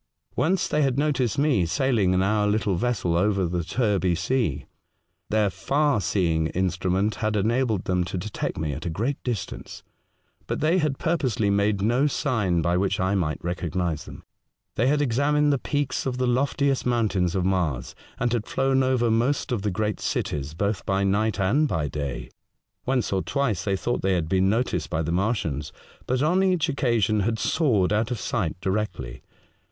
Once they had noticed me sailing in our little vessel over the Terby Sea. Their far seeing instrument had enabled them to detect me at a great distance, but they had purposely made no sign by which I might recognise them. They had examined the peaks of the loftiest moun tains of Mars, and had flown over most of the great cities both by night and by day. Once or twice they thought they had been noticed by the Martians, but on each occasion had soared out of sight directly.